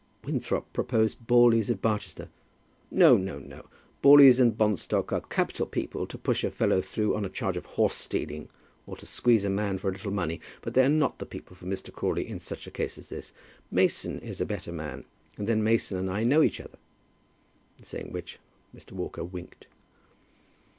"Winthrop proposed Borleys at Barchester." "No, no, no. Borleys and Bonstock are capital people to push a fellow through on a charge of horse stealing, or to squeeze a man for a little money; but they are not the people for Mr. Crawley in such a case as this. Mason is a better man; and then Mason and I know each other." In saying which Mr. Walker winked.